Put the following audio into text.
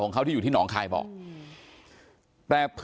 นางมอนก็บอกว่า